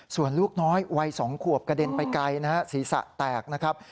ส่วนลูกน้อยวัย๒ขวบกระเด็นไปไกลนะฮะศีรษะแตกนะครับ